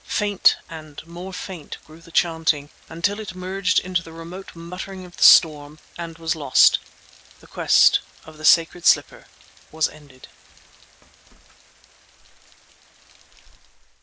Faint and more faint grew the chanting, until it merged into the remote muttering of the storm—and was lost. The quest of the sacred slipper was ended.